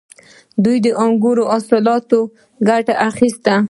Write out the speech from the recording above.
دوی د انګورو له حاصلاتو ګټه اخیسته